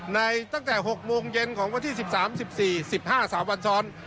ในตั้งแต่หกโมงเย็นของวันที่สิบสามสิบสี่สิบห้าสาวบรรทร